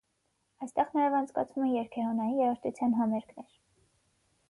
Այստեղ նաև անցկացվում են երգեհոնային երաժշտության համերգներ։